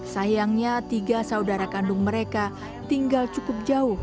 sayangnya tiga saudara kandung mereka tinggal cukup jauh